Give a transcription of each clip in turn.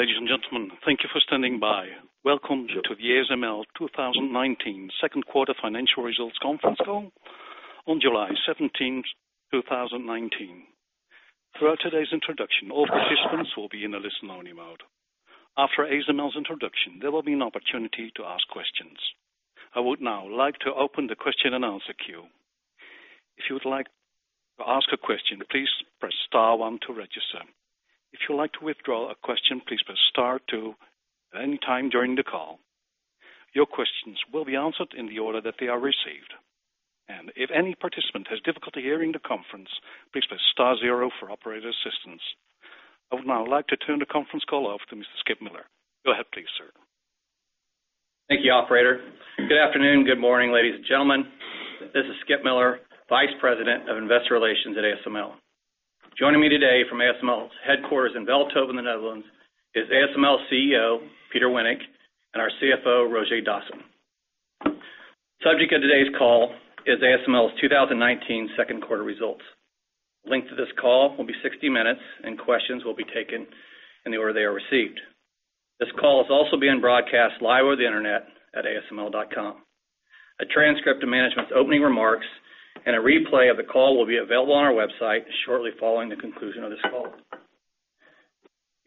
Ladies and gentlemen, thank you for standing by. Welcome to the ASML 2019 second quarter financial results conference call on July 17th, 2019. Throughout today's introduction, all participants will be in a listen-only mode. After ASML's introduction, there will be an opportunity to ask questions. I would now like to open the question and answer queue. If you would like to ask a question, please press star one to register. If you would like to withdraw a question, please press star two at any time during the call. Your questions will be answered in the order that they are received. If any participant has difficulty hearing the conference, please press star zero for operator assistance. I would now like to turn the conference call over to Mr. Skip Miller. Go ahead please, sir. Thank you, operator. Good afternoon, good morning, ladies and gentlemen. This is Skip Miller, Vice President of Investor Relations at ASML. Joining me today from ASML's headquarters in Veldhoven, in the Netherlands, is ASML CEO, Peter Wennink, and our CFO, Roger Dassen. Subject of today's call is ASML's 2019 second quarter results. The length of this call will be 60 minutes, and questions will be taken in the order they are received. This call is also being broadcast live over the internet at asml.com. A transcript of management's opening remarks and a replay of the call will be available on our website shortly following the conclusion of this call.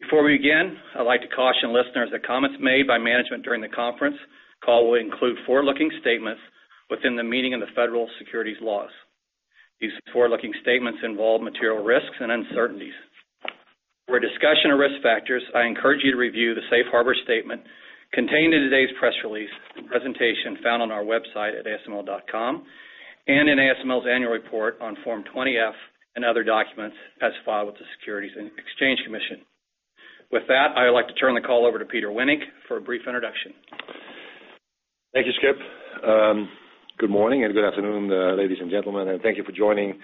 Before we begin, I'd like to caution listeners that comments made by management during the conference call will include forward-looking statements within the meaning of the federal securities laws. These forward-looking statements involve material risks and uncertainties. For a discussion of risk factors, I encourage you to review the safe harbor statement contained in today's press release and presentation found on our website at asml.com, and in ASML's annual report on Form 20-F and other documents as filed with the Securities and Exchange Commission. With that, I would like to turn the call over to Peter Wennink for a brief introduction. Thank you, Skip. Good morning and good afternoon, ladies and gentlemen, thank you for joining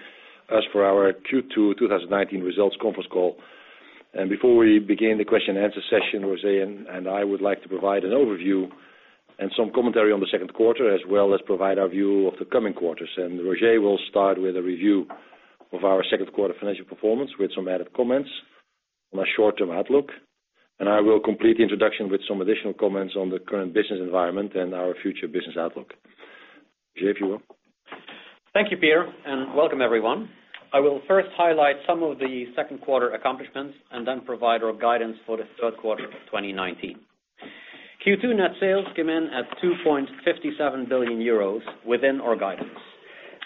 us for our Q2 2019 results conference call. Before we begin the question and answer session, Roger and I would like to provide an overview and some commentary on the second quarter, as well as provide our view of the coming quarters. Roger will start with a review of our second quarter financial performance, with some added comments on our short-term outlook. I will complete the introduction with some additional comments on the current business environment and our future business outlook. Roger, if you will. Thank you, Peter, and welcome everyone. I will first highlight some of the second quarter accomplishments and then provide our guidance for the third quarter of 2019. Q2 net sales came in at 2.57 billion euros, within our guidance.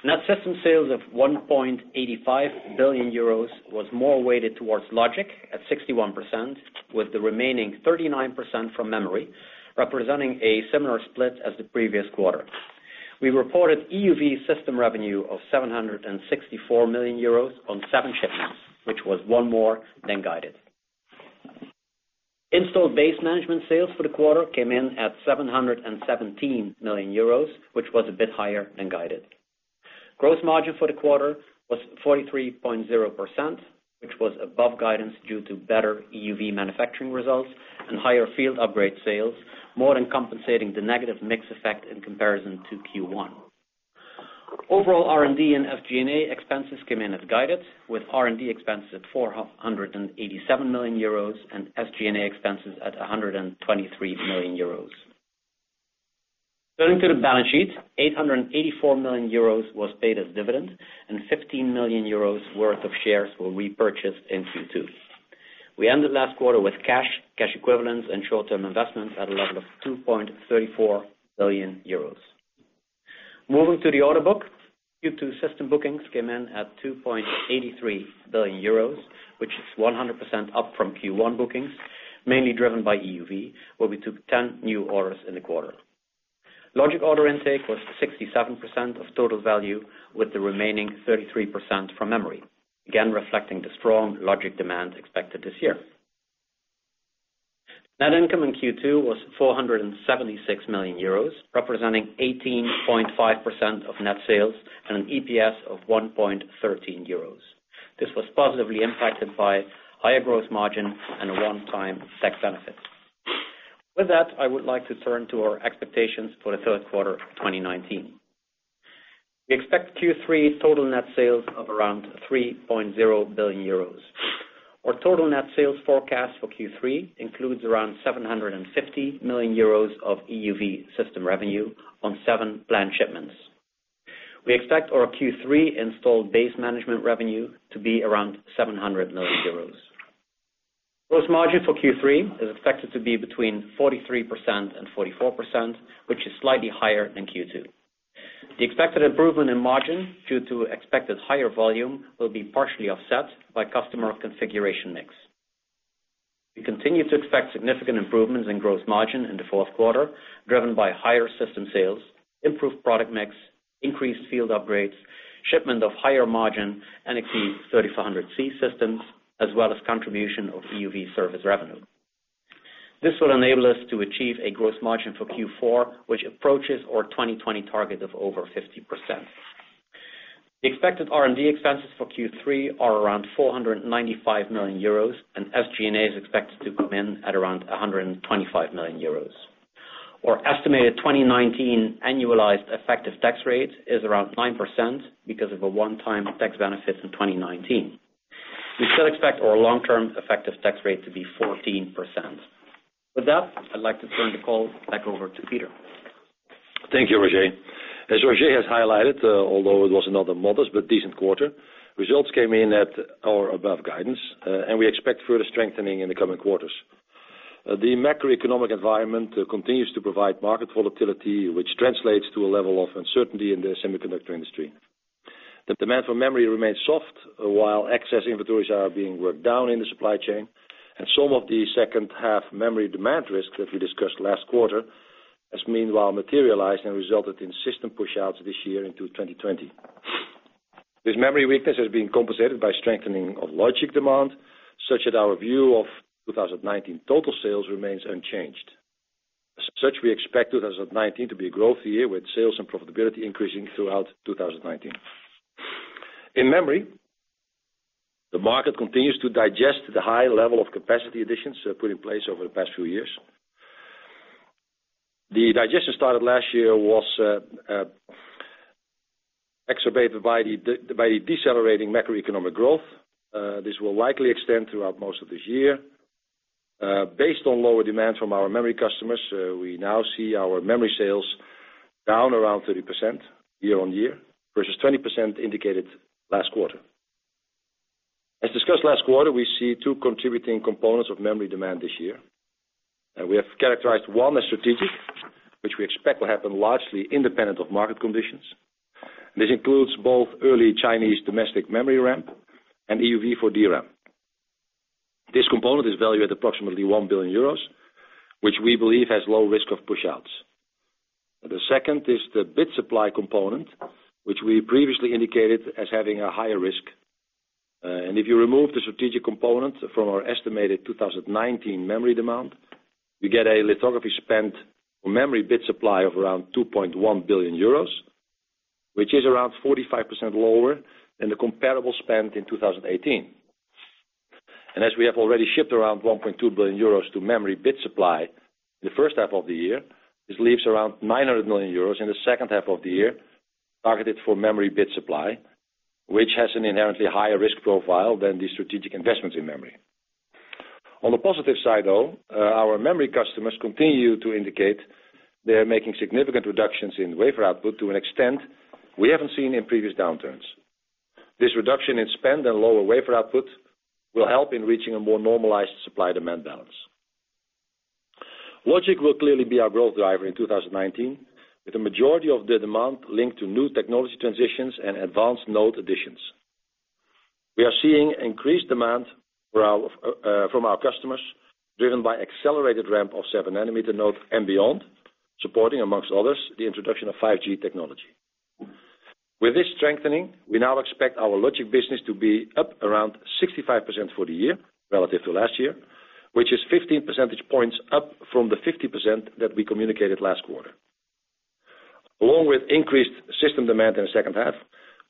Net system sales of 1.85 billion euros was more weighted towards logic at 61%, with the remaining 39% from memory, representing a similar split as the previous quarter. We reported EUV system revenue of 764 million euros on seven shipments, which was one more than guided. Installed base management sales for the quarter came in at 717 million euros, which was a bit higher than guided. Gross margin for the quarter was 43.0%, which was above guidance due to better EUV manufacturing results and higher field upgrade sales, more than compensating the negative mix effect in comparison to Q1. Overall, R&D and SG&A expenses came in as guided, with R&D expenses at 487 million euros and SG&A expenses at 123 million euros. Turning to the balance sheet, 884 million euros was paid as dividends and 15 million euros worth of shares were repurchased in Q2. We ended last quarter with cash equivalents, and short-term investments at a level of 2.34 billion euros. Moving to the order book, Q2 system bookings came in at 2.83 billion euros, which is 100% up from Q1 bookings, mainly driven by EUV, where we took 10 new orders in the quarter. Logic order intake was 67% of total value, with the remaining 33% from memory, again reflecting the strong logic demand expected this year. Net income in Q2 was 476 million euros, representing 18.5% of net sales and an EPS of 1.13 euros. This was positively impacted by higher gross margin and a one-time tax benefit. With that, I would like to turn to our expectations for the third quarter of 2019. We expect Q3 total net sales of around 3.0 billion euros. Our total net sales forecast for Q3 includes around 750 million euros of EUV system revenue on seven planned shipments. We expect our Q3 installed base management revenue to be around 700 million euros. Gross margin for Q3 is expected to be between 43% and 44%, which is slightly higher than Q2. The expected improvement in margin due to expected higher volume will be partially offset by customer configuration mix. We continue to expect significant improvements in gross margin in the fourth quarter, driven by higher system sales, improved product mix, increased field upgrades, shipment of higher margin NXE:3400C systems, as well as contribution of EUV service revenue. This will enable us to achieve a gross margin for Q4, which approaches our 2020 target of over 50%. The expected R&D expenses for Q3 are around 495 million euros, and SG&A is expected to come in at around 125 million euros. Our estimated 2019 annualized effective tax rate is around 9% because of a one-time tax benefit in 2019. We still expect our long-term effective tax rate to be 14%. With that, I'd like to turn the call back over to Peter. Thank you, Roger. As Roger has highlighted, although it was another modest but decent quarter, results came in at or above guidance, we expect further strengthening in the coming quarters. The macroeconomic environment continues to provide market volatility, which translates to a level of uncertainty in the semiconductor industry. The demand for memory remains soft while excess inventories are being worked down in the supply chain. Some of the second-half memory demand risk that we discussed last quarter has meanwhile materialized and resulted in system pushouts this year into 2020. This memory weakness has been compensated by strengthening of logic demand, such that our view of 2019 total sales remains unchanged. We expect 2019 to be a growth year, with sales and profitability increasing throughout 2019. In memory, the market continues to digest the high level of capacity additions put in place over the past few years. The digestion started last year was exacerbated by the decelerating macroeconomic growth. This will likely extend throughout most of this year. Based on lower demand from our memory customers, we now see our memory sales down around 30% year-on-year, versus 20% indicated last quarter. As discussed last quarter, we see two contributing components of memory demand this year. We have characterized one as strategic, which we expect will happen largely independent of market conditions. This includes both early Chinese domestic memory ramp and EUV for DRAM. This component is valued at approximately 1 billion euros, which we believe has low risk of pushouts. The second is the bit supply component, which we previously indicated as having a higher risk. If you remove the strategic component from our estimated 2019 memory demand, you get a lithography spend for memory bit supply of around 2.1 billion euros, which is around 45% lower than the comparable spend in 2018. As we have already shipped around 1.2 billion euros to memory bit supply the first half of the year, this leaves around 900 million euros in the second half of the year targeted for memory bit supply, which has an inherently higher risk profile than the strategic investments in memory. On the positive side, though, our memory customers continue to indicate they are making significant reductions in wafer output to an extent we haven't seen in previous downturns. This reduction in spend and lower wafer output will help in reaching a more normalized supply-demand balance. Logic will clearly be our growth driver in 2019, with the majority of the demand linked to new technology transitions and advanced node additions. We are seeing increased demand from our customers, driven by accelerated ramp of 7 nanometer node and beyond, supporting, amongst others, the introduction of 5G technology. With this strengthening, we now expect our logic business to be up around 65% for the year relative to last year, which is 15% points up from the 50% that we communicated last quarter. Along with increased system demand in the second half,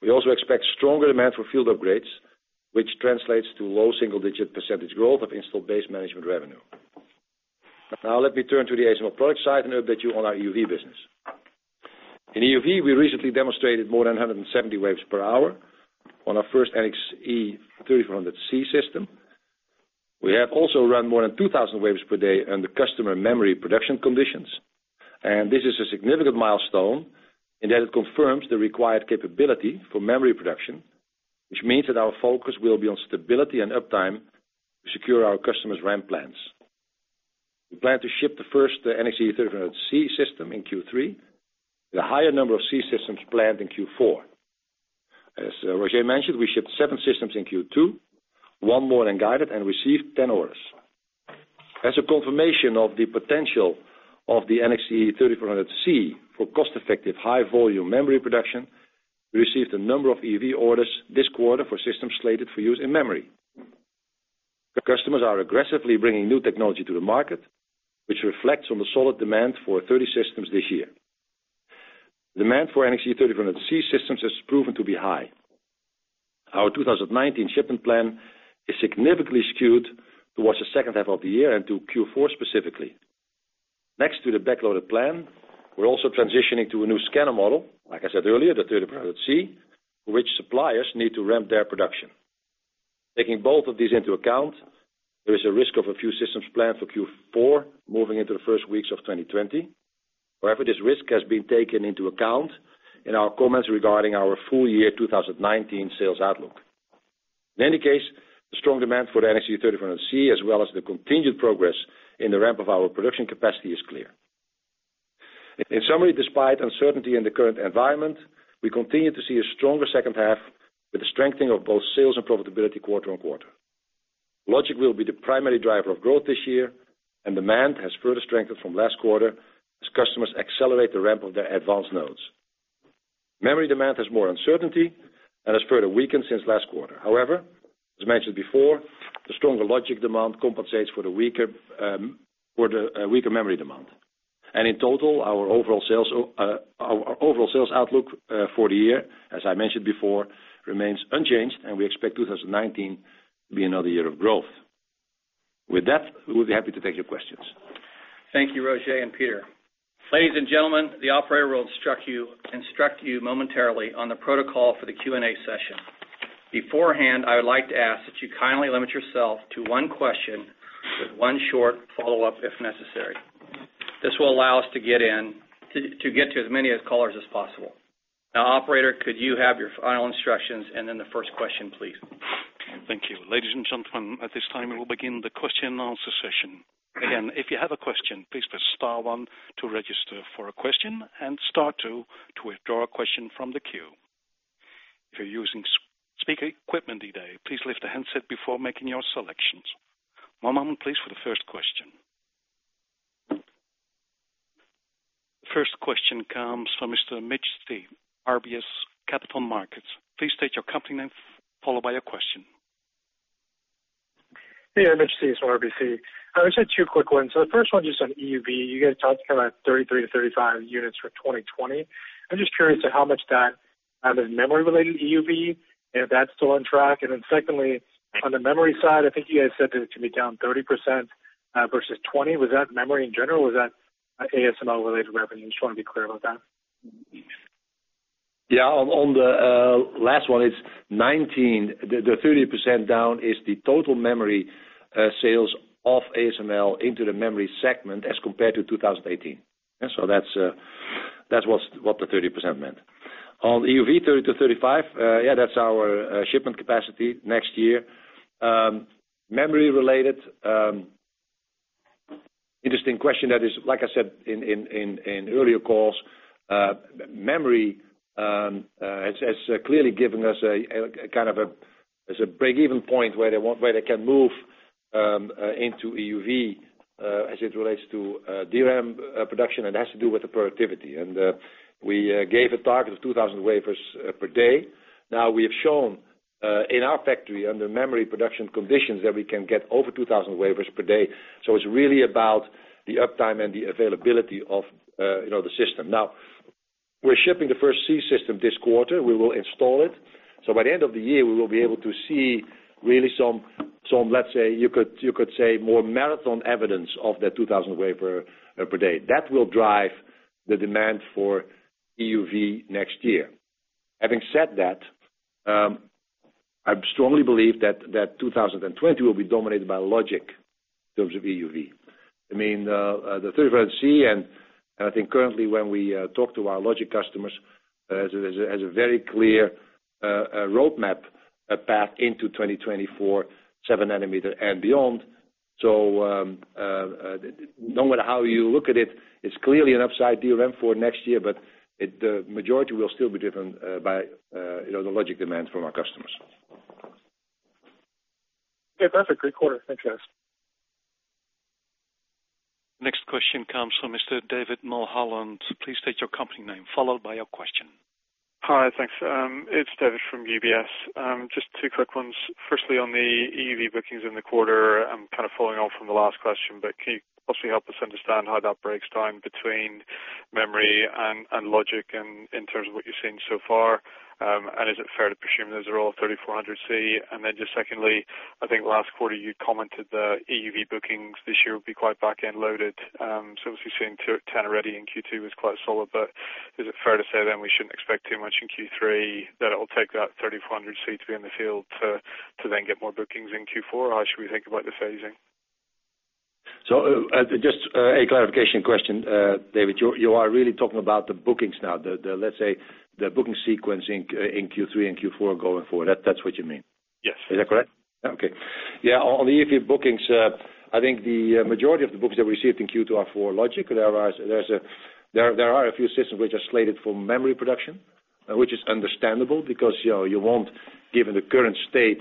we also expect stronger demand for field upgrades, which translates to low single-digit percentage growth of installed base management revenue. Let me turn to the ASML product side and update you on our EUV business. In EUV, we recently demonstrated more than 170 wafers per hour on our first NXE:3400C system. We have also run more than 2,000 wafers per day under customer memory production conditions, this is a significant milestone in that it confirms the required capability for memory production, which means that our focus will be on stability and uptime to secure our customers' ramp plans. We plan to ship the first NXE:3400C system in Q3, with a higher number of C systems planned in Q4. As Roger mentioned, we shipped seven systems in Q2, one more than guided, and received 10 orders. As a confirmation of the potential of the NXE:3400C for cost-effective, high-volume memory production, we received a number of EUV orders this quarter for systems slated for use in memory. The customers are aggressively bringing new technology to the market, which reflects on the solid demand for 30 systems this year. Demand for NXE:3400C systems has proven to be high. Our 2019 shipment plan is significantly skewed towards the second half of the year and to Q4 specifically. Next to the backloaded plan, we're also transitioning to a new scanner model, like I said earlier, the 3400C, for which suppliers need to ramp their production. Taking both of these into account, there is a risk of a few systems planned for Q4 moving into the first weeks of 2020. However, this risk has been taken into account in our comments regarding our full year 2019 sales outlook. In any case, the strong demand for the NXE:3400C, as well as the contingent progress in the ramp of our production capacity, is clear. In summary, despite uncertainty in the current environment, we continue to see a stronger second half with the strengthening of both sales and profitability quarter-on-quarter. Logic will be the primary driver of growth this year, demand has further strengthened from last quarter as customers accelerate the ramp of their advanced nodes. Memory demand has more uncertainty and has further weakened since last quarter. However, as mentioned before, the stronger logic demand compensates for the weaker memory demand. In total, our overall sales outlook for the year, as I mentioned before, remains unchanged, and we expect 2019 be another year of growth. With that, we'll be happy to take your questions. Thank you, Roger and Peter. Ladies and gentlemen, the operator will instruct you momentarily on the protocol for the Q&A session. Beforehand, I would like to ask that you kindly limit yourself to one question with one short follow-up, if necessary. This will allow us to get to as many as callers as possible. Now, operator, could you have your final instructions and then the first question, please? Thank you. Ladies and gentlemen, at this time, we will begin the question and answer session. Again, if you have a question, please press star one to register for a question and star two to withdraw a question from the queue. If you're using speaker equipment today, please lift the handset before making your selections. One moment please for the first question. First question comes from Mr. Mitch Steves, RBC Capital Markets. Please state your company name, followed by your question. Hey, Mitch Steves from RBC. I just had two quick ones. The first one just on EUV. You guys talked about 33-35 units for 2020. I'm just curious to how much of that is memory-related EUV, and if that's still on track. Secondly, on the memory side, I think you guys said that it can be down 30% versus 20. Was that memory in general? Was that ASML-related revenue? Just want to be clear about that. Yeah. On the last one, the 30% down is the total memory sales of ASML into the memory segment as compared to 2018. That's what the 30% meant. On EUV 30-35, yeah, that's our shipment capacity next year. Memory-related, interesting question that is, like I said in earlier calls, memory has clearly given us a break-even point where they can move into EUV as it relates to DRAM production, and it has to do with the productivity. We gave a target of 2,000 wafers per day. We have shown in our factory under memory production conditions that we can get over 2,000 wafers per day. It's really about the uptime and the availability of the system. We're shipping the first C system this quarter. We will install it. By the end of the year, we will be able to see really some, let's say, you could say more marathon evidence of that 2,000 wafer per day. That will drive the demand for EUV next year. Having said that, I strongly believe that 2020 will be dominated by logic in terms of EUV. I mean, the NXE:3400C, and I think currently when we talk to our logic customers, has a very clear roadmap path into 2024, seven nanometer and beyond. No matter how you look at it's clearly an upside DRAM for next year, but the majority will still be driven by the logic demand from our customers. Yeah, perfect. Great quarter. Thanks guys. Next question comes from Mr. David Mulholland. Please state your company name, followed by your question. Hi. Thanks. It's David from UBS. Just two quick ones. Firstly, on the EUV bookings in the quarter, I'm kind of following on from the last question, but can you possibly help us understand how that breaks down between memory and logic in terms of what you're seeing so far? Is it fair to presume those are all 3400C? Just secondly, I think last quarter you commented the EUV bookings this year would be quite back-end loaded. Obviously seeing 10 already in Q2 was quite solid, but is it fair to say we shouldn't expect too much in Q3, that it'll take that 3400C to be in the field to then get more bookings in Q4? How should we think about the phasing? Just a clarification question, David. You are really talking about the bookings now, let's say the booking sequence in Q3 and Q4 going forward. That's what you mean? Yes. Is that correct? Okay. Yeah, on the EUV bookings, I think the majority of the bookings that we received in Q2 are for logic. There are a few systems which are slated for memory production, which is understandable because you won't Given the current state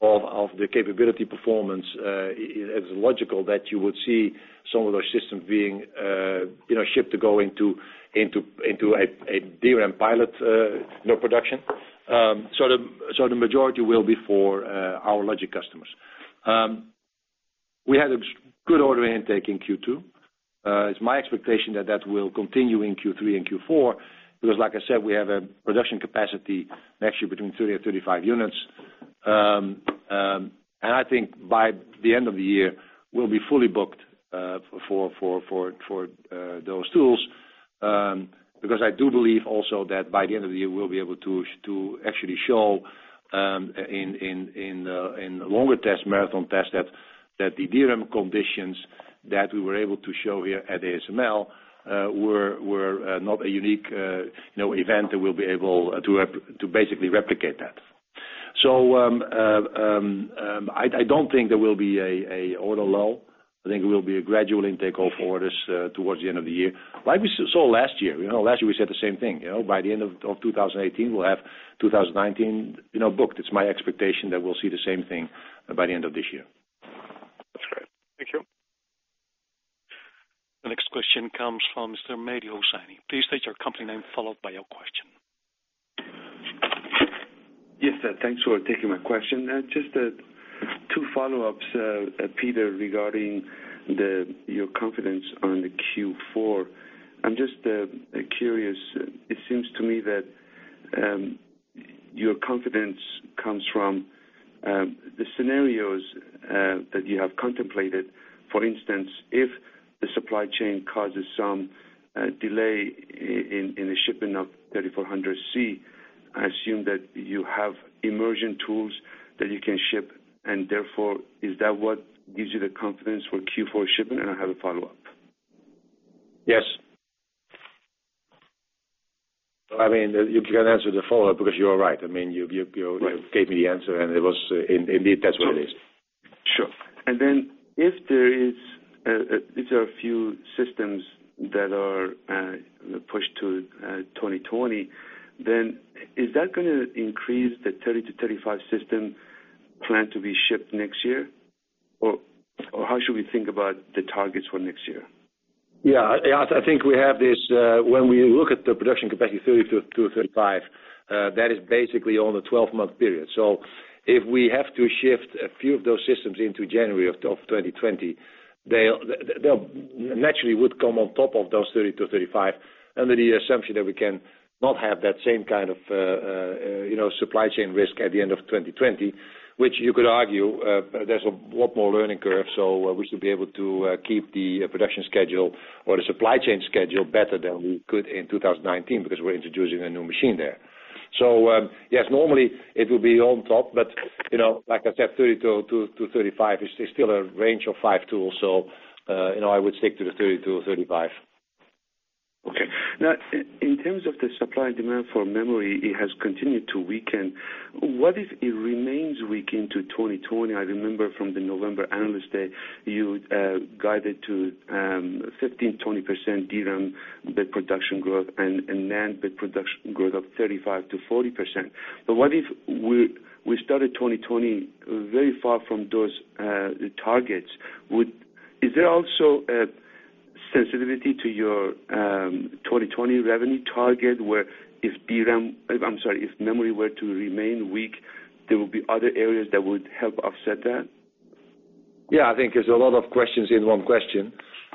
of the capability performance, it's logical that you would see some of those systems being shipped to go into a DRAM pilot production. The majority will be for our logic customers. We had a good order intake in Q2. It's my expectation that that will continue in Q3 and Q4, because like I said, we have a production capacity next year between 30 and 35 units. I think by the end of the year, we'll be fully booked for those tools, because I do believe also that by the end of the year, we'll be able to actually show in longer test, marathon test, that the DRAM conditions that we were able to show here at ASML were not a unique event, that we'll be able to basically replicate that. I don't think there will be a order lull. I think it will be a gradual intake of orders towards the end of the year, like we saw last year. Last year we said the same thing. By the end of 2018, we'll have 2019 booked. It's my expectation that we'll see the same thing by the end of this year. That's great. Thank you. The next question comes from Mr. Mario Saini. Please state your company name, followed by your question. Yes, sir. Thanks for taking my question. Just two follow-ups, Peter, regarding your confidence on the Q4. I'm just curious. It seems to me that your confidence comes from the scenarios that you have contemplated. For instance, if the supply chain causes some delay in the shipping of 3400C, I assume that you have immersion tools that you can ship, and therefore, is that what gives you the confidence for Q4 shipping? I have a follow-up. Yes. You can answer the follow-up because you are right. You gave me the answer, and indeed, that's what it is. Sure. If there are a few systems that are pushed to 2020, is that going to increase the 30-35 system plan to be shipped next year? How should we think about the targets for next year? Yeah. I think we have this, when we look at the production capacity, 30 to 35, that is basically on a 12-month period. If we have to shift a few of those systems into January of 2020, they'll naturally would come on top of those 30 to 35 under the assumption that we cannot have that same kind of supply chain risk at the end of 2020. You could argue, there's a lot more learning curve, so we should be able to keep the production schedule or the supply chain schedule better than we could in 2019 because we're introducing a new machine there. Yes, normally it will be on top, but like I said, 30 to 35 is still a range of five tools, so I would stick to the 30-35. Okay. In terms of the supply and demand for memory, it has continued to weaken. What if it remains weak into 2020? I remember from the November analyst day, you guided to 15%-20% DRAM bit production growth and NAND bit production growth of 35%-40%. What if we started 2020 very far from those targets? Is there also a sensitivity to your 2020 revenue target, where if memory were to remain weak, there will be other areas that would help offset that? Yeah, I think there's a lot of questions in one question.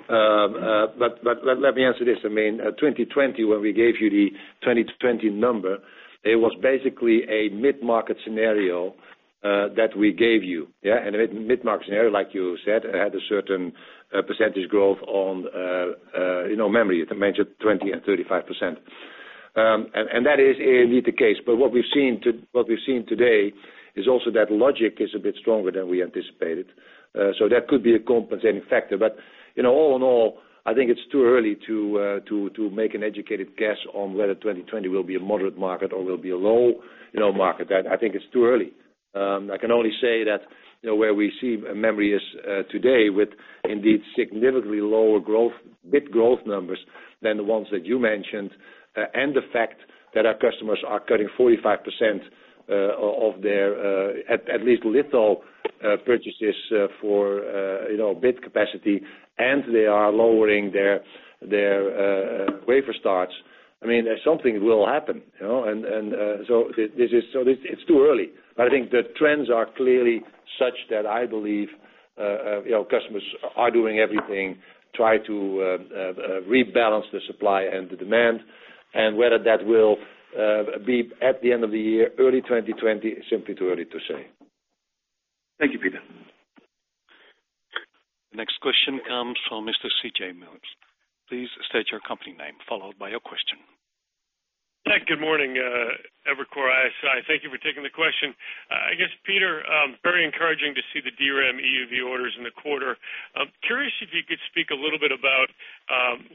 Let me answer this. 2020, when we gave you the 2020 number, it was basically a mid-market scenario that we gave you. A mid-market scenario, like you said, had a certain percentage growth on memory. You mentioned 20% and 35%. That is indeed the case, what we've seen today is also that logic is a bit stronger than we anticipated. That could be a compensating factor. All in all, I think it's too early to make an educated guess on whether 2020 will be a moderate market or will be a low market. I think it's too early. I can only say that, where we see memory is today, with indeed significantly lower bit growth numbers than the ones that you mentioned, and the fact that our customers are cutting 45% of their, at least little purchases for bit capacity, and they are lowering their wafer starts. Something will happen. It's too early. I think the trends are clearly such that I believe customers are doing everything, try to rebalance the supply and the demand, and whether that will be at the end of the year, early 2020, simply too early to say. Thank you, Peter. Next question comes from Mr. C.J. Muse. Please state your company name, followed by your question. Hi, good morning, Evercore ISI. Thank you for taking the question. I guess, Peter, very encouraging to see the DRAM EUV orders in the quarter. Curious if you could speak a little bit about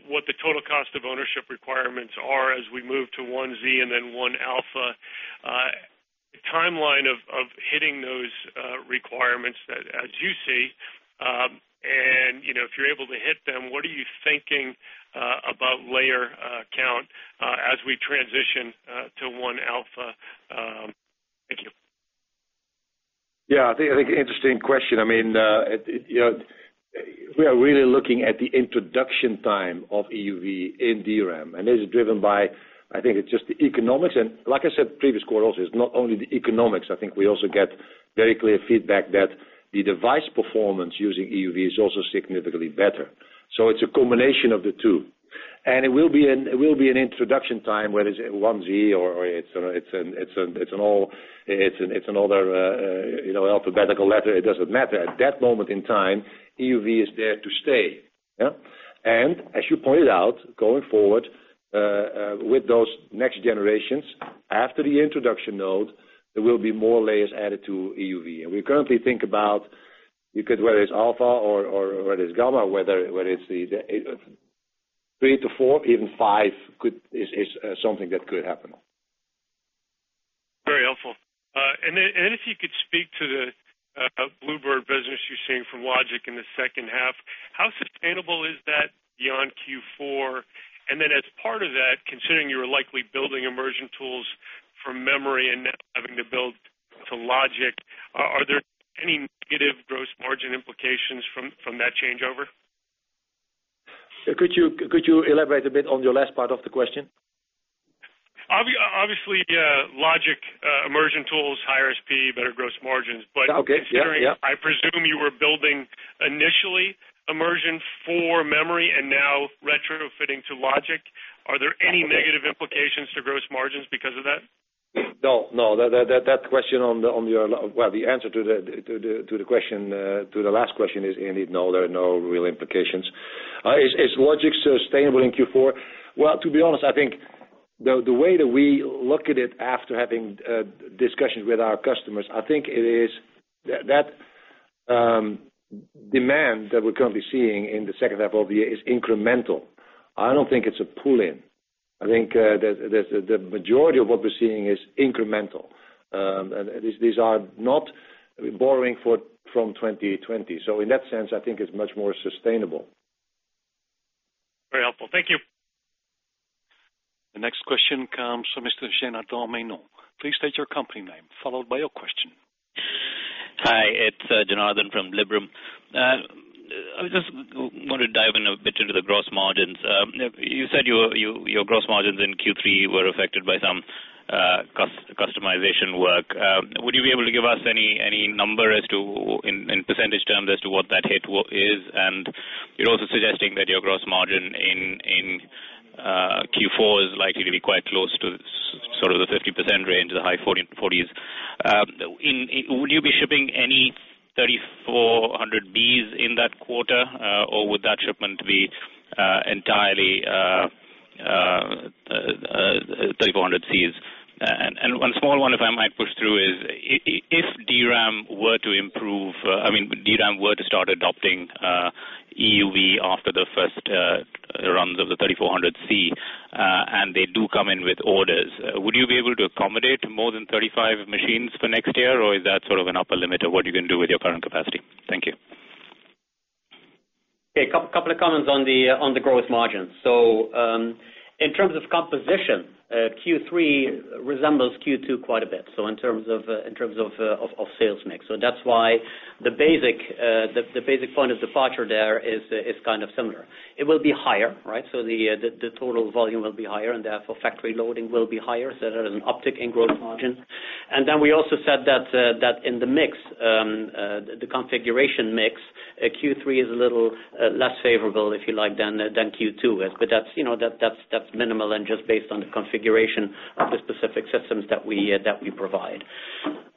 what the total cost of ownership requirements are as we move to 1Z and then 1 alpha. Timeline of hitting those requirements as you see, and if you're able to hit them, what are you thinking about layer count as we transition to 1 alpha? Thank you. Yeah, I think interesting question. We are really looking at the introduction time of EUV in DRAM, this is driven by, I think it's just the economics. Like I said previous quarter also, it's not only the economics. I think we also get very clear feedback that the device performance using EUV is also significantly better. It's a combination of the two. It will be an introduction time, whether it's 1Z or it's another alphabetical letter, it doesn't matter. At that moment in time, EUV is there to stay. As you pointed out, going forward, with those next generations, after the introduction node, there will be more layers added to EUV. We currently think about, whether it's alpha or whether it's gamma, whether it's three to four, even five is something that could happen. Very helpful. If you could speak to the Bluebird business you're seeing from Logic in the second half, how sustainable is that beyond Q4? As part of that, considering you are likely building immersion tools from memory and now having to build to Logic, are there any negative gross margin implications from that changeover? Could you elaborate a bit on your last part of the question? Obviously, logic immersion tools, higher speed, better gross margins. Okay. Yeah. Considering, I presume you were building initially immersion for memory and now retrofitting to logic. Are there any negative implications to gross margins because of that? No, that question well, the answer to the last question is indeed no, there are no real implications. Is logic sustainable in Q4? Well, to be honest, I think the way that we look at it after having discussions with our customers, I think it is that demand that we're currently seeing in the second half of the year is incremental. I don't think it's a pull-in. I think the majority of what we're seeing is incremental. These are not borrowing from 2020. In that sense, I think it's much more sustainable. Very helpful. Thank you. The next question comes from Mr. Janardan Menon. Please state your company name, followed by your question. Hi, it's Janardan from Liberum. I just want to dive in a bit into the gross margins. You said your gross margins in Q3 were affected by some customization work. Would you be able to give us any number in percentage terms as to what that hit is? You're also suggesting that your gross margin in Q4 is likely to be quite close to sort of the 30% range, the high 40s%. Would you be shipping any 3400Bs in that quarter? Or would that shipment be entirely 3400Cs? One small one if I might push through is, if DRAM were to start adopting EUV after the first runs of the 3400C, and they do come in with orders, would you be able to accommodate more than 35 machines for next year? Or is that sort of an upper limit of what you can do with your current capacity? Thank you. In terms of composition, Q3 resembles Q2 quite a bit, so in terms of sales mix. That's why the basic point of departure there is kind of similar. It will be higher, right? The total volume will be higher, and therefore factory loading will be higher, there's an uptick in gross margin. We also said that in the configuration mix, Q3 is a little less favorable, if you like, than Q2 is. That's minimal and just based on the configuration of the specific systems that we provide.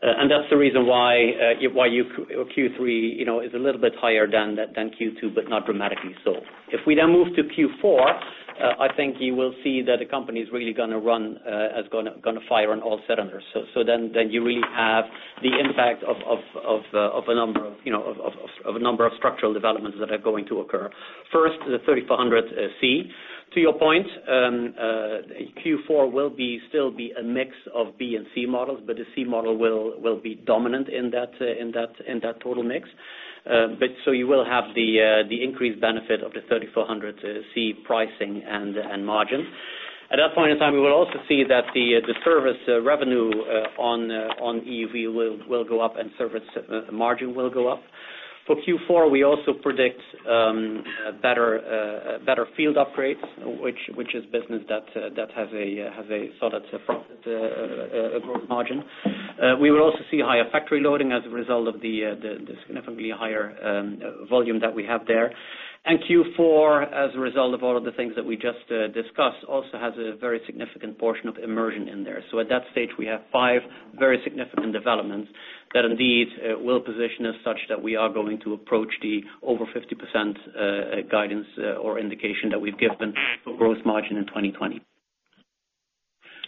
That's the reason why Q3 is a little bit higher than Q2, but not dramatically so. If we move to Q4, I think you will see that the company is really going to fire on all cylinders. You really have the impact of a number of structural developments that are going to occur. First, the 3400C. To your point, Q4 will still be a mix of B and C models, but the C model will be dominant in that total mix. You will have the increased benefit of the 3400C pricing and margin. At that point in time, we will also see that the service revenue on EUV will go up and service margin will go up. For Q4, we also predict better field upgrades, which is business that has a solid profit growth margin. We will also see higher factory loading as a result of the significantly higher volume that we have there. Q4, as a result of all of the things that we just discussed, also has a very significant portion of immersion in there. At that stage, we have five very significant developments that indeed will position us such that we are going to approach the over 50% guidance or indication that we've given for gross margin in 2020.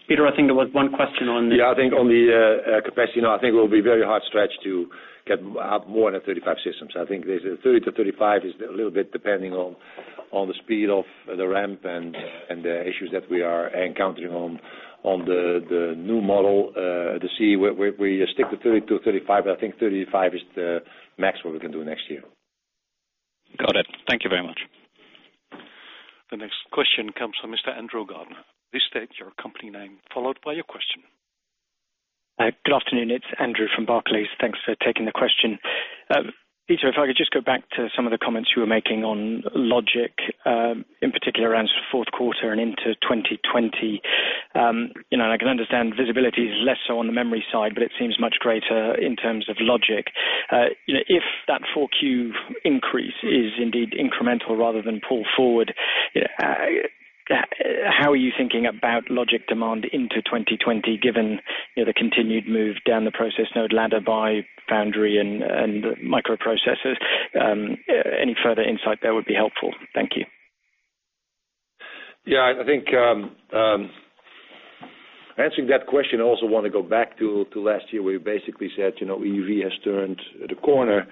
Peter, I think there was one question on. Yeah, I think on the capacity. I think it will be very hard stretch to get more than 35 systems. I think there's a 30-35 is a little bit depending on the speed of the ramp and the issues that we are encountering on the new model, the C. We stick to 30-35, but I think 35 is the max what we can do next year. Got it. Thank you very much. The next question comes from Mr. Andrew Gardiner. Please state your company name, followed by your question. Good afternoon, it's Andrew from Barclays. Thanks for taking the question. Peter, if I could just go back to some of the comments you were making on logic, in particular around sort of fourth quarter and into 2020. I can understand visibility is less so on the memory side, but it seems much greater in terms of logic. If that 4Q increase is indeed incremental rather than pull forward, how are you thinking about logic demand into 2020, given the continued move down the process node ladder by foundry and microprocessors? Any further insight there would be helpful. Thank you. I think answering that question, I also want to go back to last year, where you basically said EUV has turned the corner,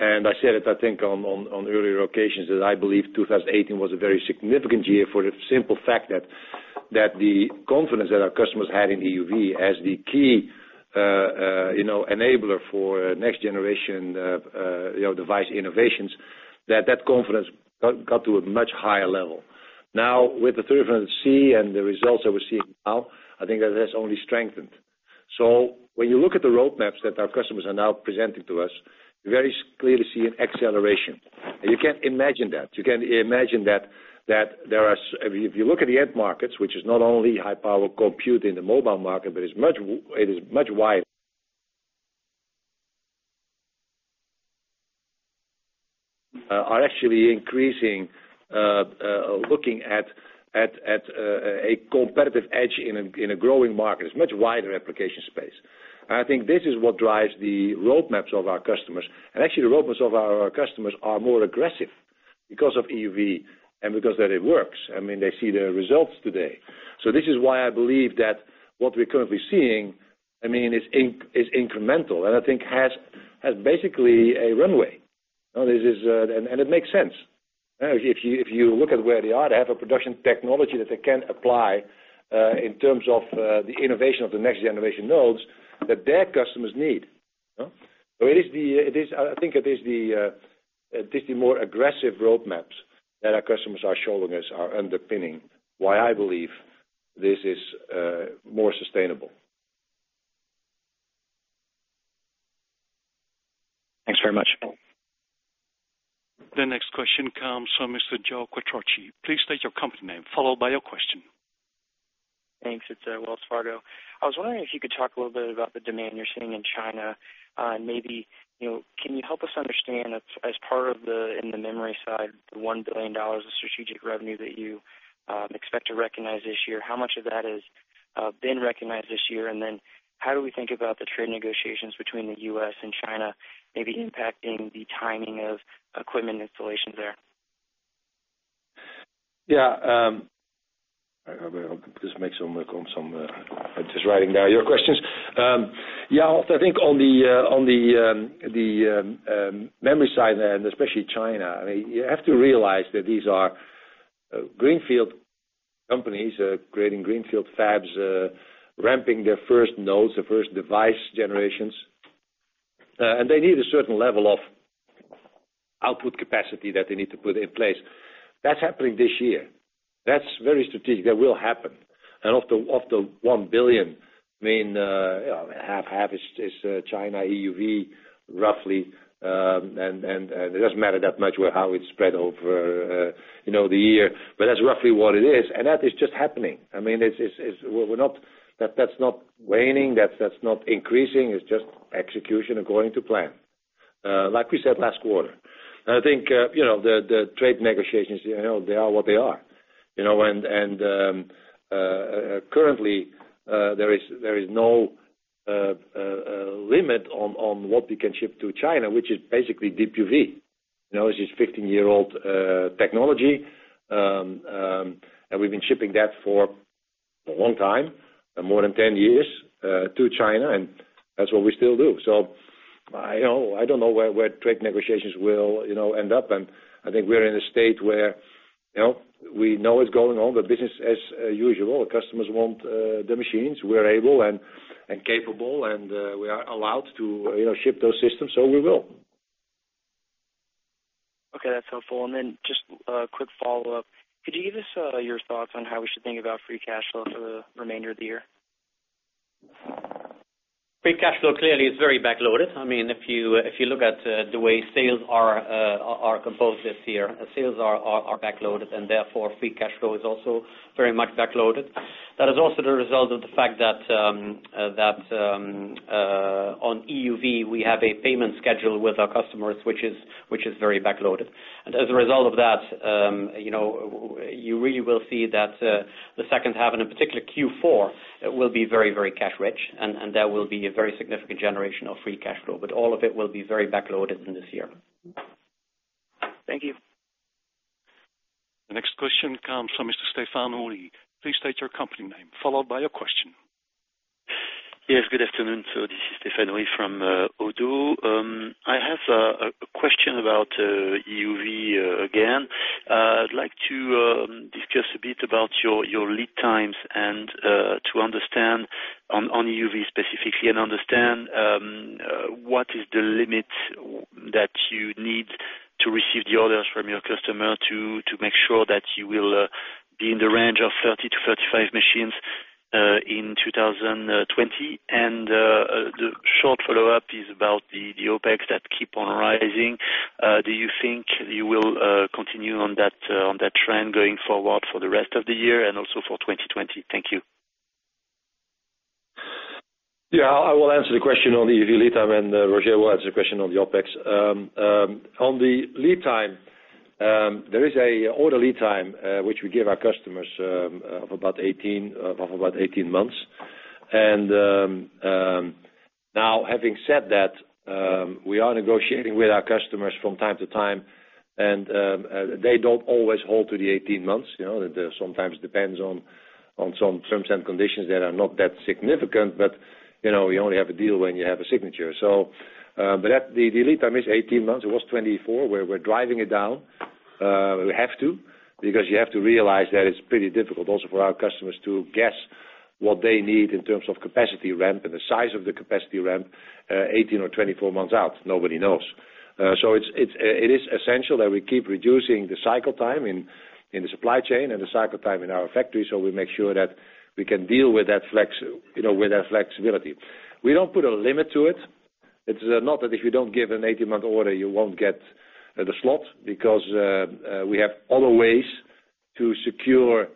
and I said it, I think, on earlier occasions that I believe 2018 was a very significant year for the simple fact that the confidence that our customers had in EUV as the key enabler for next generation device innovations, that that confidence got to a much higher level. Now, with the 3400C and the results that we're seeing now, I think that has only strengthened. When you look at the roadmaps that our customers are now presenting to us, you very clearly see an acceleration. You can imagine that. If you look at the end markets, which is not only high-power compute in the mobile market, but it is much wider. Are actually increasing, looking at a competitive edge in a growing market. It's much wider application space. I think this is what drives the roadmaps of our customers. Actually, the roadmaps of our customers are more aggressive because of EUV and because that it works. They see the results today. This is why I believe that what we're currently seeing is incremental, and I think has basically a runway. It makes sense. If you look at where they are, they have a production technology that they can apply, in terms of the innovation of the next-generation nodes that their customers need. I think it is the more aggressive roadmaps that our customers are showing us are underpinning why I believe this is more sustainable. Thanks very much. The next question comes from Mr. Joe Quatrocchi. Please state your company name, followed by your question. Thanks. It's Wells Fargo. I was wondering if you could talk a little bit about the demand you're seeing in China, and maybe, can you help us understand, as part of the, in the memory side, the EUR 1 billion of strategic revenue that you expect to recognize this year, how much of that has been recognized this year? How do we think about the trade negotiations between the U.S. and China maybe impacting the timing of equipment installations there? I'll just writing down your questions. I think on the memory side, especially China, you have to realize that these are greenfield companies, creating greenfield fabs, ramping their first nodes, their first device generations. They need a certain level of output capacity that they need to put in place. That's happening this year. That's very strategic. That will happen. Of the 1 billion, half is China EUV, roughly, and it doesn't matter that much how it's spread over the year, but that's roughly what it is. That is just happening. That's not waning. That's not increasing. It's just execution according to plan. Like we said last quarter. I think, the trade negotiations, they are what they are. Currently, there is no limit on what we can ship to China, which is basically DUV. It's this 15-year-old technology. We've been shipping that for a long time, more than 10 years, to China, and that's what we still do. I don't know where trade negotiations will end up, and I think we're in a state where we know it's going on, but business as usual. Customers want the machines. We're able and capable, and we are allowed to ship those systems, so we will. Okay, that's helpful. Just a quick follow-up. Could you give us your thoughts on how we should think about free cash flow for the remainder of the year? Free cash flow clearly is very back-loaded. If you look at the way sales are composed this year, sales are back-loaded, therefore, free cash flow is also very much back-loaded. That is also the result of the fact that on EUV, we have a payment schedule with our customers, which is very back-loaded. As a result of that, you really will see that the second half, and in particular Q4, will be very cash rich, and there will be a very significant generation of free cash flow. All of it will be very back-loaded in this year. Thank you. The next question comes from Mr. Stéphane Houri. Please state your company name, followed by your question. Yes, good afternoon. This is Stéphane Houri from ODDO. I have a question about EUV again. I'd like to discuss a bit about your lead times and to understand on EUV specifically, and understand what is the limit that you need to receive the orders from your customer to make sure that you will be in the range of 30-35 machines in 2020. The short follow-up is about the OpEx that keep on rising. Do you think you will continue on that trend going forward for the rest of the year and also for 2020? Thank you. Yeah. I will answer the question on the EUV lead time, and Roger will answer the question on the OpEx. On the lead time, there is a order lead time, which we give our customers of about 18 months. Now, having said that, we are negotiating with our customers from time-to-time, they don't always hold to the 18 months. Sometimes depends on some terms and conditions that are not that significant, but we only have a deal when you have a signature. The lead time is 18 months. It was 24. We're driving it down. We have to, because you have to realize that it's pretty difficult also for our customers to guess what they need in terms of capacity ramp and the size of the capacity ramp 18 or 24 months out. Nobody knows. It is essential that we keep reducing the cycle time in the supply chain and the cycle time in our factory so we make sure that we can deal with that flexibility. We don't put a limit to it. It's not that if you don't give an 18-month order, you won't get the slot because we have other ways to secure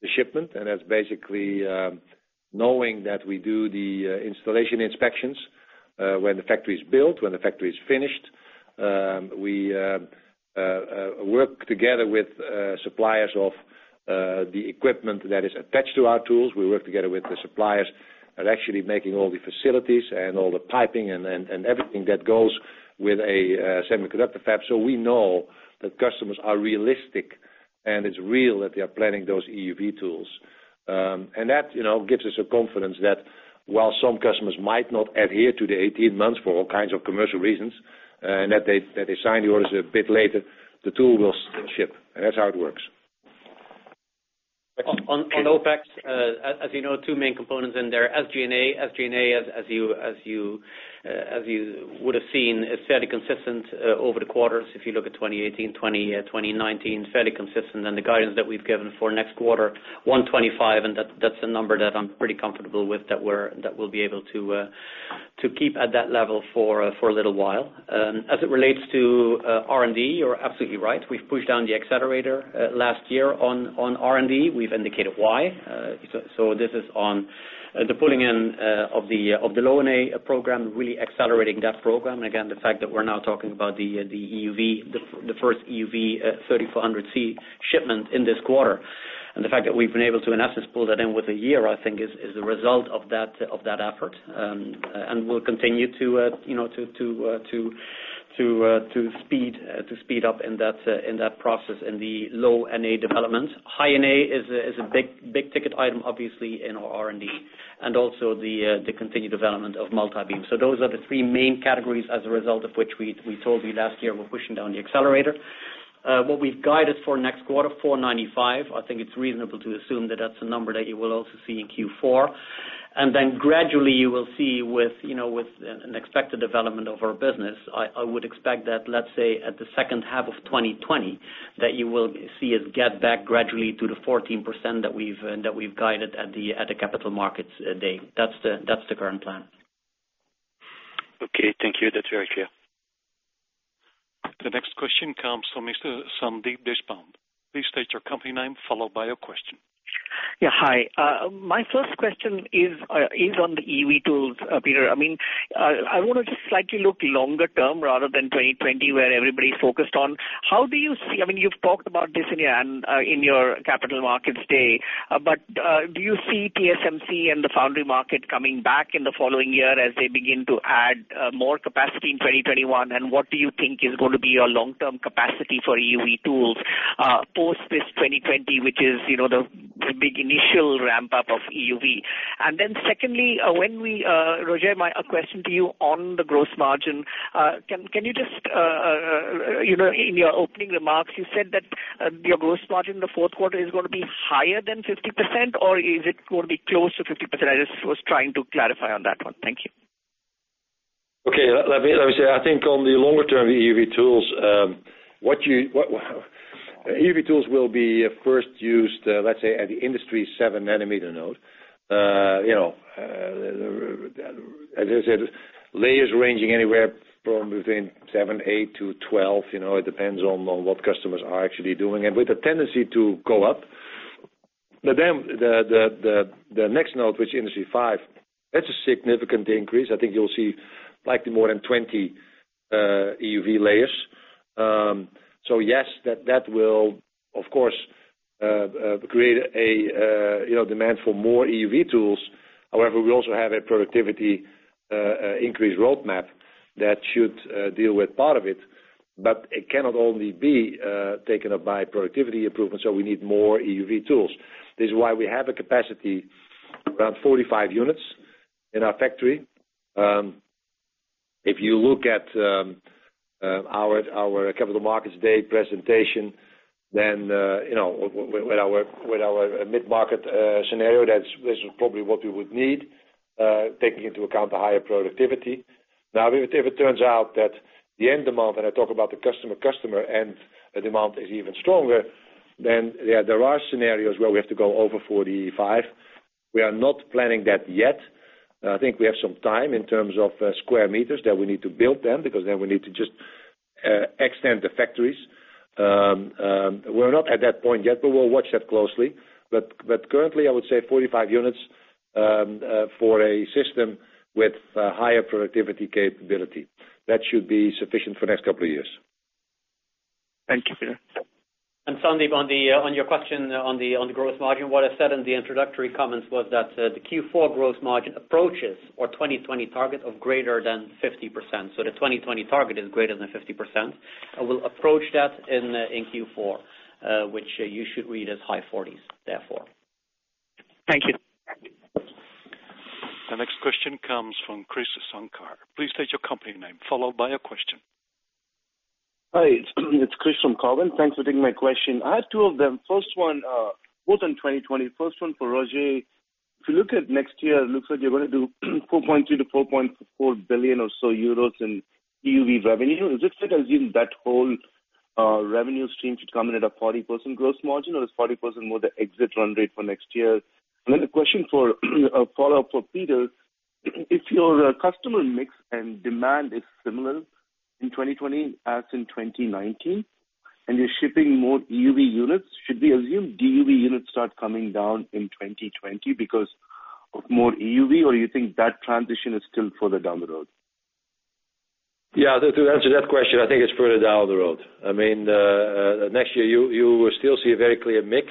the shipment, and that's basically knowing that we do the installation inspections when the factory is built, when the factory is finished. We work together with suppliers of the equipment that is attached to our tools. We work together with the suppliers at actually making all the facilities and all the piping and everything that goes with a semiconductor fab. We know that customers are realistic, and it's real that they are planning those EUV tools. That gives us the confidence that while some customers might not adhere to the 18 months for all kinds of commercial reasons, that they sign the orders a bit later, the tool will still ship. That's how it works. On OpEx, as you know, two main components in there. SG&A, as you would have seen, is fairly consistent over the quarters. If you look at 2018, 2019, fairly consistent. The guidance that we've given for next quarter, 125, that's a number that I'm pretty comfortable with, that we'll be able to keep at that level for a little while. As it relates to R&D, you're absolutely right. We've pushed down the accelerator last year on R&D. We've indicated why. This is on the pulling in of the low NA program, really accelerating that program. Again, the fact that we're now talking about the first EUV 3400C shipment in this quarter, the fact that we've been able to, in essence, pull that in within a year, I think is a result of that effort. We'll continue to speed up in that process in the low NA development. High NA is a big-ticket item, obviously, in our R&D, and also the continued development of multi-beam. Those are the three main categories as a result of which we told you last year we're pushing down the accelerator. What we've guided for next quarter, 495, I think it's reasonable to assume that that's a number that you will also see in Q4. Then gradually you will see with an expected development of our business, I would expect that, let's say at the second half of 2020, that you will see us get back gradually to the 14% that we've guided at the Capital Markets Day. That's the current plan. Thank you. That's very clear. The next question comes from Mr. Sandeep Deshpande. Please state your company name, followed by your question. My first question is on the EUV tools, Peter. I want to just slightly look longer term rather than 2020, where everybody's focused on. You've talked about this in your Capital Markets Day. Do you see TSMC and the foundry market coming back in the following year as they begin to add more capacity in 2021, and what do you think is going to be your long-term capacity for EUV tools post this 2020, which is the big initial ramp-up of EUV? Secondly, Roger, my question to you on the gross margin. In your opening remarks, you said that your gross margin in the fourth quarter is going to be higher than 50%, or is it going to be close to 50%? I just was trying to clarify on that one. Thank you. Okay. Let me say, I think on the longer term EUV tools, EUV tools will be first used, let's say, at the industry 7-nanometer node. As I said, layers ranging anywhere from between seven, eight to 12. It depends on what customers are actually doing, and with the tendency to go up. The next node, which is industry 5, that's a significant increase. I think you'll see likely more than 20 EUV layers. Yes, that will, of course, create a demand for more EUV tools. However, we also have a productivity increase roadmap that should deal with part of it, but it cannot only be taken up by productivity improvements, we need more EUV tools. This is why we have a capacity around 45 units in our factory. If you look at our Capital Markets Day presentation, with our mid-market scenario, that's probably what we would need, taking into account the higher productivity. If it turns out that the end demand, and I talk about the customer end demand is even stronger, there are scenarios where we have to go over 45. We are not planning that yet. I think we have some time in terms of square meters that we need to build them because we need to just extend the factories. We're not at that point yet, but we'll watch that closely. Currently, I would say 45 units for a system with higher productivity capability. That should be sufficient for the next couple of years. Thank you, Peter. Sandeep, on your question on the growth margin, what I said in the introductory comments was that the Q4 growth margin approaches our 2020 target of greater than 50%. The 2020 target is greater than 50%. We'll approach that in Q4, which you should read as high 40s, therefore. Thank you. The next question comes from Krish Sankar. Please state your company name, followed by your question. Hi, it's Krish from Cowen. Thanks for taking my question. I have two of them. First one, both on 2020. First one for Roger. If you look at next year, it looks like you're going to do 4.3 billion-4.4 billion or so in EUV revenue. Is it fair to assume that whole revenue stream should come in at a 40% gross margin, or is 40% more the exit run rate for next year? A question for, a follow-up for Peter. If your customer mix and demand is similar in 2020, as in 2019, and you're shipping more EUV units, should we assume DUV units start coming down in 2020 because of more EUV, or you think that transition is still further down the road? Yeah. To answer that question, I think it's further down the road. Next year, you will still see a very clear mix.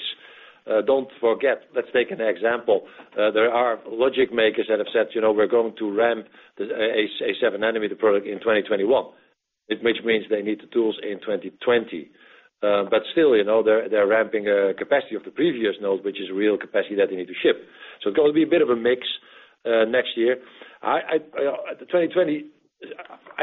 Don't forget, let's take an example. There are logic makers that have said, "We're going to ramp a 7-nanometer product in 2021." Which means they need the tools in 2020. But still, they're ramping capacity of the previous node, which is real capacity that they need to ship. It's going to be a bit of a mix, next year. I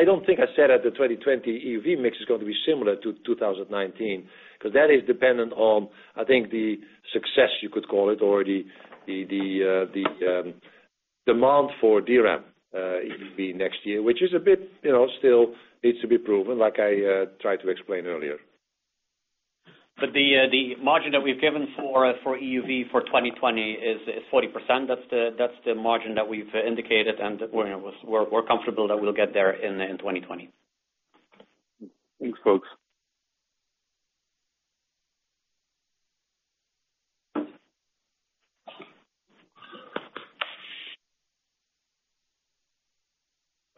don't think I said at the 2020 EUV mix is going to be similar to 2019, because that is dependent on, I think, the success you could call it, or the demand for DRAM EUV next year, which still needs to be proven, like I tried to explain earlier. The margin that we've given for EUV for 2020 is 40%. That's the margin that we've indicated, and we're comfortable that we'll get there in 2020. Thanks, folks.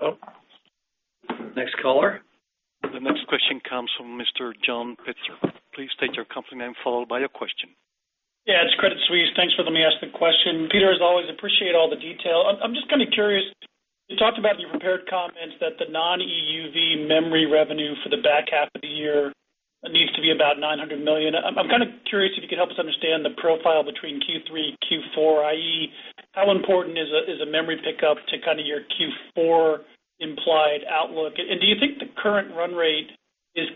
Next caller. The next question comes from Mr. John Pitzer. Please state your company name, followed by your question. Credit Suisse. Thanks for letting me ask the question. Peter, as always, appreciate all the detail. I'm curious, you talked about in your prepared comments that the non-EUV memory revenue for the back half of the year needs to be about 900 million. I'm curious if you could help us understand the profile between Q3, Q4, i.e. how important is a memory pickup to your Q4 implied outlook? Do you think the current run rate is,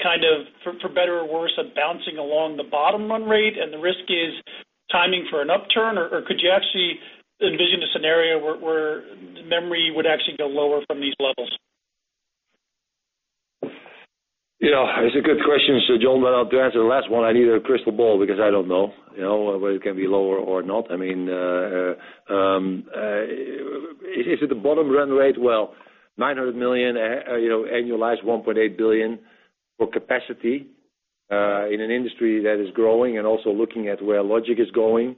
for better or worse, a bouncing along the bottom run rate and the risk is timing for an upturn? Or could you actually envision a scenario where memory would actually go lower from these levels? It's a good question, John, To answer the last one, I need a crystal ball because I don't know whether it can be lower or not. Is it the bottom run rate? 900 million, annualized 1.8 billion for capacity, in an industry that is growing and also looking at where logic is going.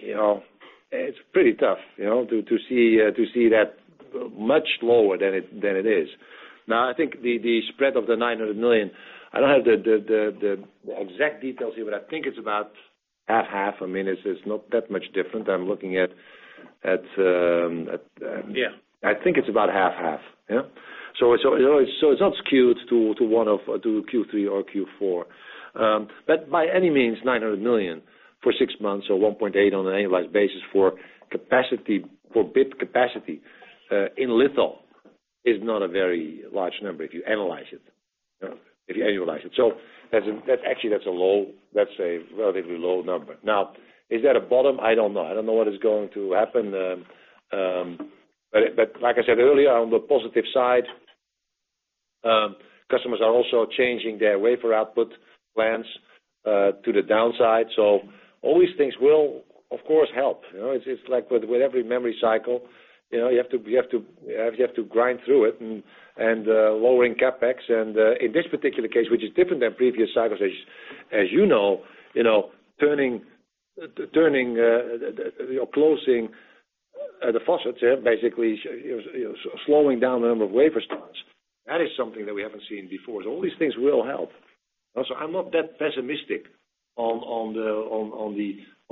It's pretty tough to see that much lower than it is. I think the spread of the 900 million, I don't have the exact details here, I think it's about half-half. It's not that much different. Yeah I think it's about half-half. It's not skewed to one of to Q3 or Q4. By any means, 900 million for six months or $1.8 on an annualized basis for bit capacity in little is not a very large number if you annualize it. Actually that's a relatively low number. Is that a bottom? I don't know. I don't know what is going to happen. Like I said earlier, on the positive side, customers are also changing their wafer output plans, to the downside. All these things will, of course, help. It's like with every memory cycle, you have to grind through it and lowering CapEx and, in this particular case, which is different than previous cycles, as you know, closing the faucets basically, slowing down the number of wafer starts. That is something that we haven't seen before. All these things will help. I'm not that pessimistic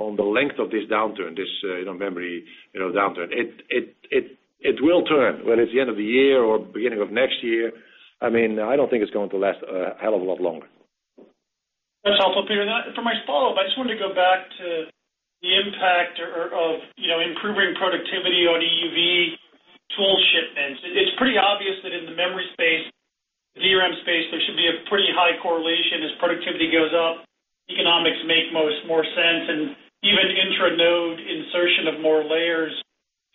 on the length of this downturn, this memory downturn. It will turn, whether it's the end of the year or beginning of next year. I don't think it's going to last a hell of a lot longer. That's helpful, Peter. For my follow-up, I just wanted to go back to the impact of improving productivity on EUV tool shipments. It's pretty obvious that in the memory space, DRAM space, there should be a pretty high correlation as productivity goes up, economics make more sense, and even intra-node insertion of more layers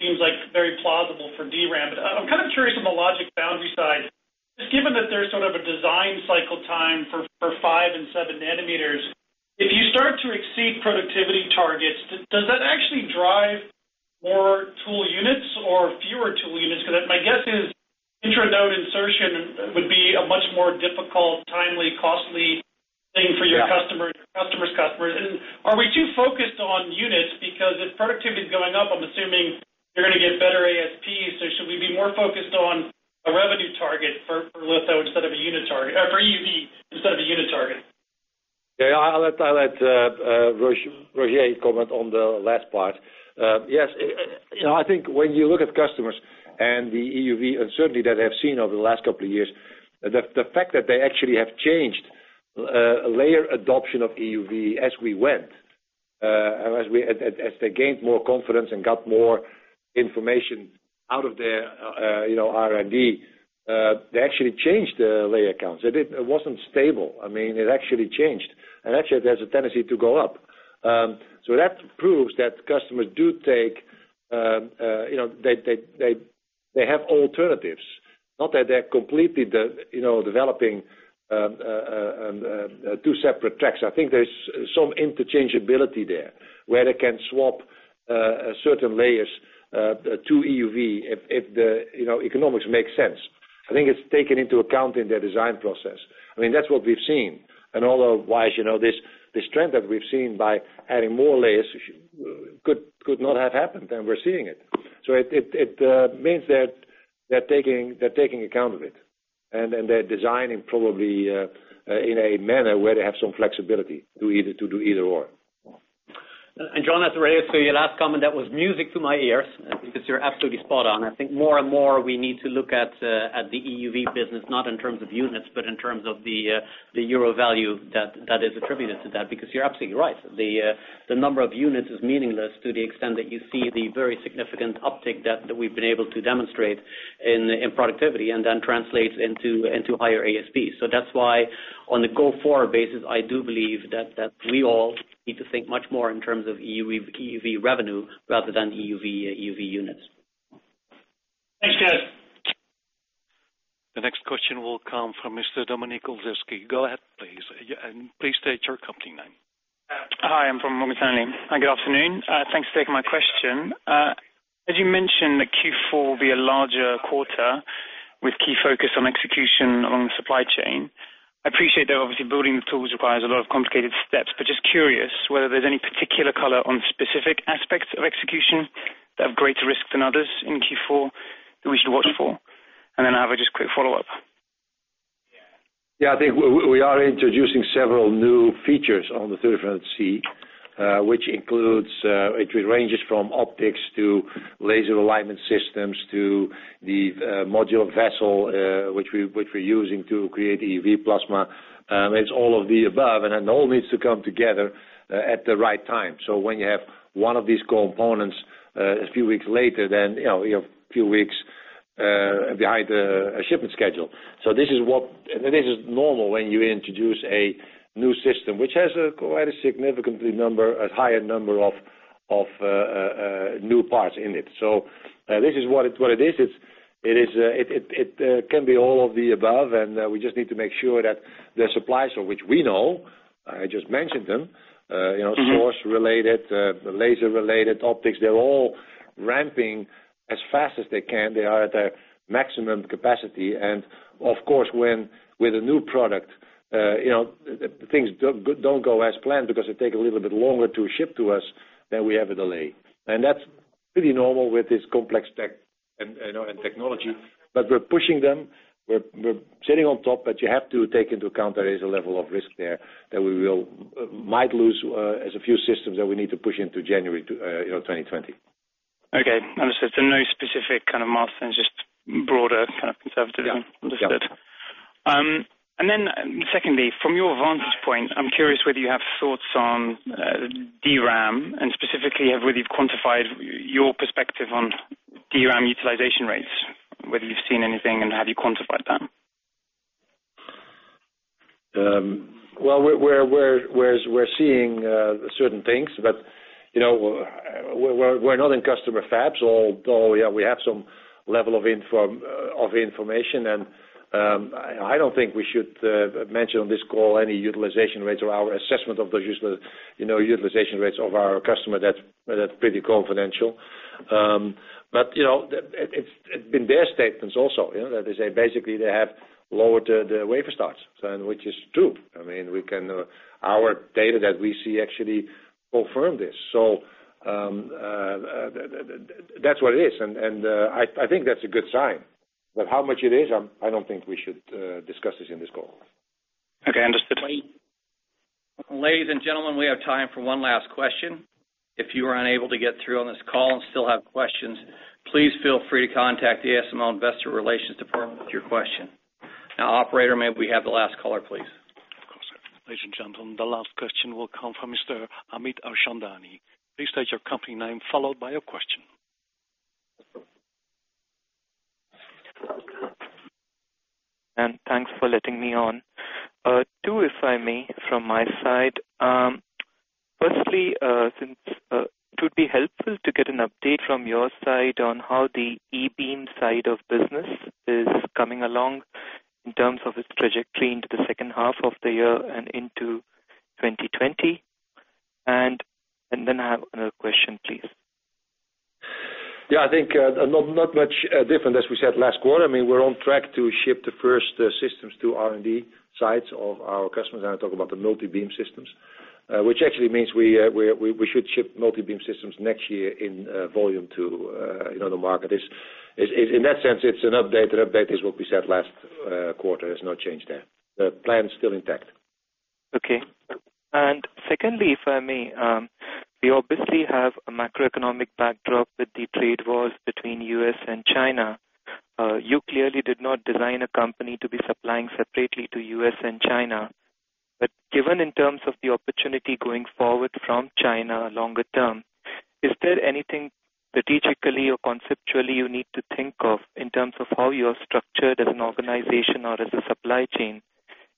seems very plausible for DRAM. I'm kind of curious on the logic boundary side, just given that there's sort of a design cycle time for five and seven nanometers, if you start to exceed productivity targets, does that actually drive more tool units or fewer tool units? Because my guess is intra-node insertion would be a much more difficult, timely, costly thing for your customers, customers. Are we too focused on units? Because if productivity is going up, I'm assuming you're going to get better ASPs. Should we be more focused on a revenue target for Litho instead of a unit target, or for EUV instead of a unit target? Yeah, I'll let Roger comment on the last part. Yes. I think when you look at customers and the EUV uncertainty that they have seen over the last couple of years, the fact that they actually have changed layer adoption of EUV as we went, as they gained more confidence and got more information out of their R&D, they actually changed the layer counts. It wasn't stable. It actually changed. Actually, there's a tendency to go up. That proves that customers do take, they have alternatives. Not that they're completely developing two separate tracks. I think there's some interchangeability there where they can swap certain layers to EUV if the economics make sense. I think it's taken into account in their design process. That's what we've seen. Otherwise, this trend that we've seen by adding more layers could not have happened, and we're seeing it. It means that they're taking account of it, and they're designing probably in a manner where they have some flexibility to do either/or. John, as to your last comment, that was music to my ears, because you're absolutely spot on. I think more and more, we need to look at the EUV business, not in terms of units, but in terms of the EUR value that is attributed to that, because you're absolutely right. The number of units is meaningless to the extent that you see the very significant uptick that we've been able to demonstrate in productivity, then translates into higher ASP. That's why on the go-forward basis, I do believe that we all need to think much more in terms of EUV revenue rather than EUV units. Thanks, guys. The next question will come from Mr. Dominik Olszewski. Go ahead, please. Please state your company name. Hi, I'm from Morgan Stanley. Good afternoon. Thanks for taking my question. As you mentioned that Q4 will be a larger quarter with key focus on execution along the supply chain. I appreciate that obviously building the tools requires a lot of complicated steps, but just curious whether there's any particular color on specific aspects of execution that have greater risk than others in Q4 that we should watch for? Then I have a just quick follow-up. Yeah, I think we are introducing several new features on the NXE:3400C, which ranges from optics to laser alignment systems to the modular vessel, which we're using to create EUV plasma. It's all of the above, and it all needs to come together at the right time. When you have one of these components a few weeks later, then you have few weeks behind a shipment schedule. This is normal when you introduce a new system, which has quite a significantly higher number of new parts in it. This is what it is. It can be all of the above, and we just need to make sure that the suppliers, of which we know, I just mentioned them. Source-related, laser-related, optics, they're all ramping as fast as they can. They are at their maximum capacity, and of course, with a new product, things don't go as planned because they take a little bit longer to ship to us, then we have a delay. That's pretty normal with this complex tech and technology. We're pushing them. We're sitting on top, but you have to take into account there is a level of risk there that we might lose as a few systems that we need to push into January 2020. Okay. Understood. No specific kind of milestones, just broader kind of conservatism. Yeah. Understood. Then secondly, from your vantage point, I'm curious whether you have thoughts on DRAM, and specifically whether you've quantified your perspective on DRAM utilization rates, whether you've seen anything and have you quantified that? Well, we're seeing certain things, but we're not in customer fabs, although, we have some level of information. I don't think we should mention on this call any utilization rates or our assessment of those utilization rates of our customer. That's pretty confidential. It's been their statements also, that they say basically they have lowered their wafer starts, and which is true. Our data that we see actually confirm this. That's what it is. I think that's a good sign. How much it is, I don't think we should discuss this in this call. Okay, understood. Ladies and gentlemen, we have time for one last question. If you were unable to get through on this call and still have questions, please feel free to contact the ASML Investor Relations department with your question. Now, operator, may we have the last caller, please? Of course, sir. Ladies and gentlemen, the last question will come from Mr. Amit Harchandani. Please state your company name followed by your question. Thanks for letting me on. Two, if I may, from my side. Firstly, since it would be helpful to get an update from your side on how the e-beam side of business is coming along in terms of its trajectory into the second half of the year and into 2020. Then I have another question, please. I think not much different as we said last quarter. We're on track to ship the first systems to R&D sites of our customers. I'm talking about the multi-beam systems. Actually means we should ship multi-beam systems next year in volume to the market. In that sense, it's an update. An update is what we said last quarter. There's no change there. The plan's still intact. Okay. Secondly, if I may, we obviously have a macroeconomic backdrop with the trade wars between U.S. and China. You clearly did not design a company to be supplying separately to U.S. and China. Given in terms of the opportunity going forward from China longer term, is there anything strategically or conceptually you need to think of in terms of how you are structured as an organization or as a supply chain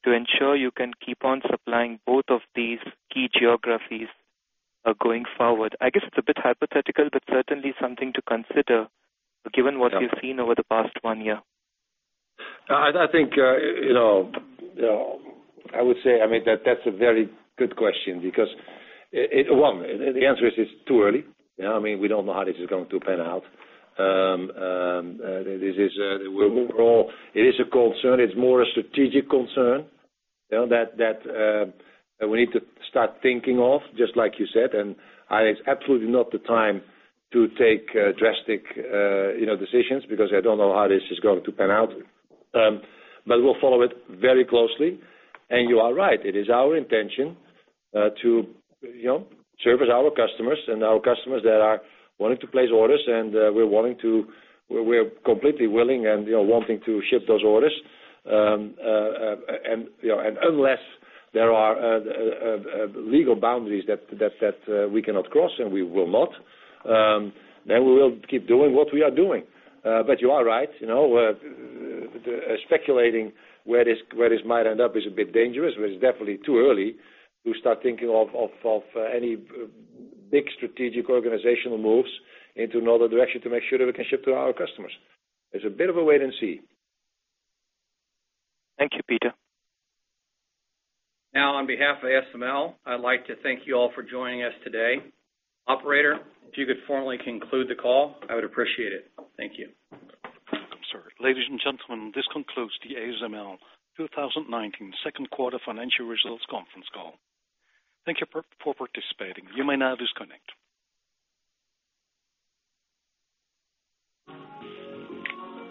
to ensure you can keep on supplying both of these key geographies going forward? I guess it's a bit hypothetical, but certainly something to consider given what we've seen over the past one year. I think, I would say that's a very good question because, one, the answer is it's too early. We don't know how this is going to pan out. Overall, it is a concern. It's more a strategic concern that we need to start thinking of, just like you said, and it's absolutely not the time to take drastic decisions because I don't know how this is going to pan out. We'll follow it very closely. You are right, it is our intention to service our customers and our customers that are wanting to place orders, and we're completely willing and wanting to ship those orders. Unless there are legal boundaries that we cannot cross, and we will not, then we will keep doing what we are doing. You are right. Speculating where this might end up is a bit dangerous. It's definitely too early to start thinking of any big strategic organizational moves into another direction to make sure that we can ship to our customers. It's a bit of a wait-and-see. Thank you, Peter. Now, on behalf of ASML, I'd like to thank you all for joining us today. Operator, if you could formally conclude the call, I would appreciate it. Thank you. Of course, sir. Ladies and gentlemen, this concludes the ASML 2019 second quarter financial results conference call. Thank you for participating. You may now disconnect.